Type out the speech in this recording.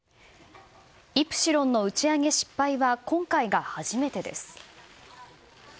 「イプシロン」の打ち上げ失敗は今回が初めてです。